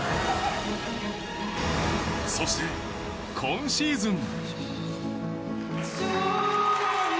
そして今シーズン。